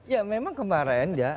ya memang kemarin ya